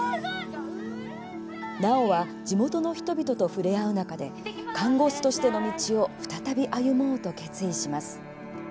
奈緒は地元の人々と触れ合う中で看護師としての道を再び歩もうと決意します。